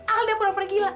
alda pura pura gila